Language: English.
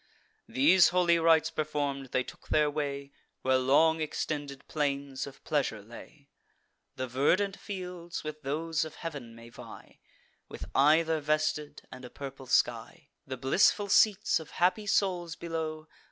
These holy rites perform'd, they took their way Where long extended plains of pleasure lay: The verdant fields with those of heav'n may vie, With ether vested, and a purple sky; The blissful seats of happy souls below.